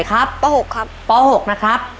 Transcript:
ครับ